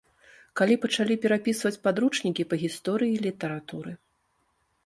Калі пачалі перапісваць падручнікі па гісторыі й літаратуры.